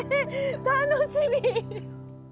楽しみ。